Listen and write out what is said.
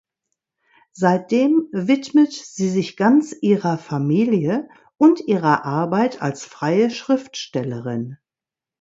Seitdem widmet sie sich ganz ihrer Familie und ihrer Arbeit als freie Schriftstellerin.